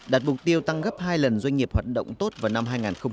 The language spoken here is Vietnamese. đạt mục tiêu tăng gấp hai lần doanh nghiệp hoạt động tốt vào năm hai nghìn hai mươi